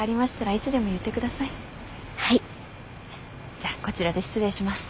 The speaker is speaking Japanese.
じゃあこちらで失礼します。